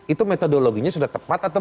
itu metodologinya sudah tepat atau